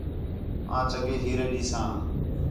آن چَنڳے ہیرے ݙیساں